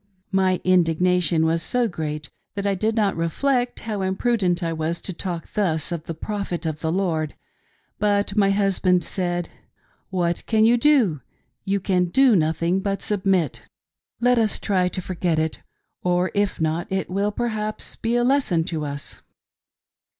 My indignation was so great that I did not reflect how imprudent I was to talk thus of the Prophet of the Lord ; but my husband said :" What can you do f You cannot help yourself. You can do nothing but submit. Let us try to forget it ; or, if not, it will perhaps be a lesson to us."